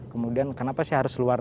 kemudian kenapa sih harus luar